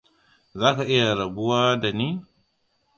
Za ka iya rabuwa da ni?